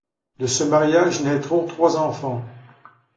De ce mariage naîtront trois enfants.